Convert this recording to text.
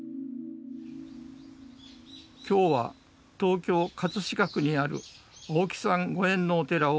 今日は東京・葛飾区にある青木さんご縁のお寺をお訪ねします。